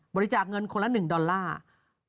บริจาคเงินคนละ๑ดอลลาร์